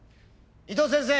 伊藤先生